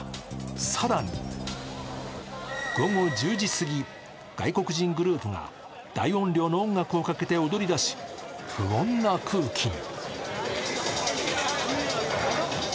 更に午後１０時すぎ、外国人グループが大音量の音楽をかけて踊りだし、不穏な空気に。